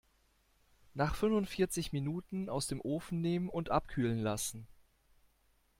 Nach fünfundvierzig Minuten aus dem Ofen nehmen und abkühlen lassen.